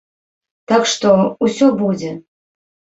Так што, усё будзе!